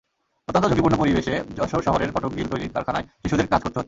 অত্যন্ত ঝুঁকিপূর্ণ পরিবেশে যশোর শহরের ফটক-গ্রিল তৈরির কারখানায় শিশুদের কাজ করতে হচ্ছে।